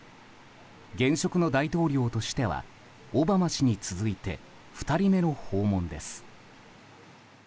現職の大統領としてはオバマ氏に続いて２人目の訪問です。